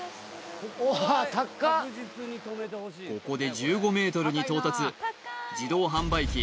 おわっ高っここで１５ｍに到達自動販売機